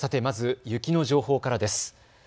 まず雪の情報からです。